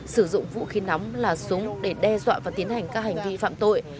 sử dụng vũ khí nóng là súng để đe dọa và tiến hành các hành vi phạm tội